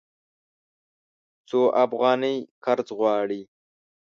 څو افغانۍ قرض غواړې؟